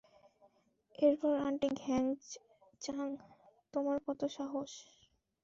তারপর আন্টি ঘ্যাচাং - তোমার কতো সাহস?